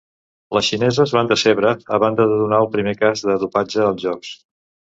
Les xineses van decebre, a banda de donar el primer cas de dopatge als Jocs.